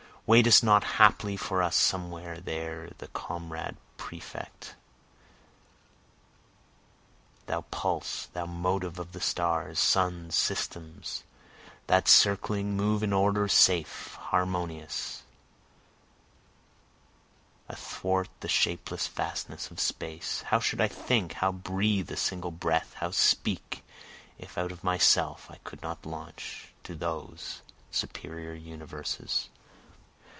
Waitest not haply for us somewhere there the Comrade perfect?) Thou pulse thou motive of the stars, suns, systems, That, circling, move in order, safe, harmonious, Athwart the shapeless vastnesses of space, How should I think, how breathe a single breath, how speak, if, out of myself, I could not launch, to those, superior universes?